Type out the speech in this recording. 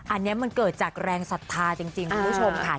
อันนี้มันเกิดจากแรงศรัทธาจริงคุณผู้ชมค่ะ